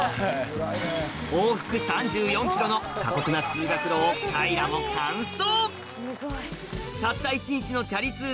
往復３４ｋｍの過酷な通学路をカヌレです。